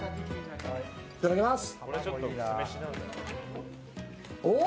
いただきます。